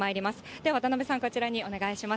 では渡辺さん、こちらにお願いします。